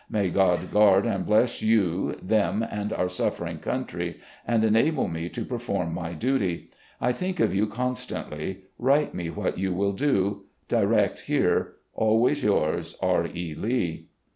May God guard and bless you, them, and our suffering country, and enable me to perform my duty. I think of you con stantly. Write me what you will do. Direct here. "Always yours, "R. E. Lee."